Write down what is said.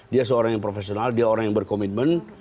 dia seorang yang profesional dia orang yang berkomitmen